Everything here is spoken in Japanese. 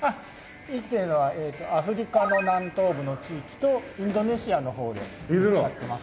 生きてるのはアフリカの南東部の地域とインドネシアの方で見つかってます。